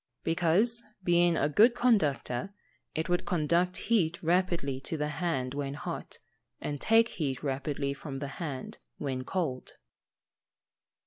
_ Because, being a good conductor, it would conduct heat rapidly to the hand when hot, and take heat rapidly from the hand when cold.